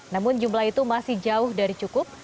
namun jumlah itu masih jauh dari cukup